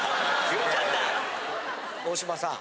大島さん